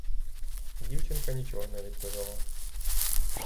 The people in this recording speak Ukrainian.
Дівчинка нічого не відповіла.